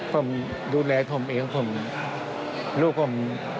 ผมดูแลผมเองผมลูกผม